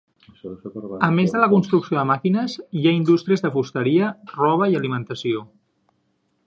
A més de la construcció de màquines, hi ha indústries de fusteria, roba i alimentació.